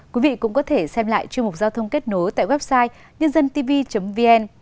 quý vị cũng có thể xem lại chuyên mục giao thông kết nối tại website nhândântv vn